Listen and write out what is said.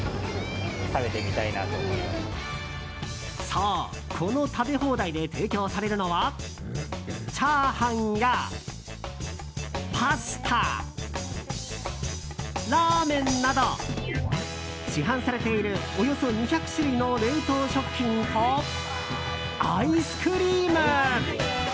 そう、この食べ放題で提供されるのはチャーハンやパスタラーメンなど市販されているおよそ２００種類の冷凍食品とアイスクリーム。